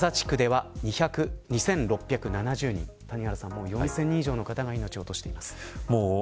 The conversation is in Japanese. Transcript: もう４０００人以上の方が命を落としています。